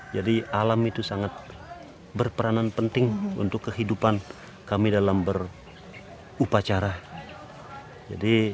alam itu sangat berperanan penting untuk kehidupan kami dalam berupacara